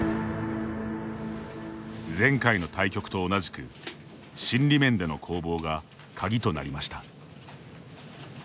前回の対局と同じく心理面での攻防が鍵となりました。